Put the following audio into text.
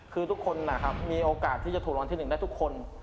คือทุกคนนะครับมีโอกาสที่จะถูกรางวัลที่๑ได้ทุกคน